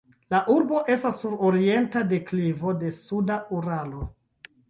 La urbo estas sur orienta deklivo de suda Uralo.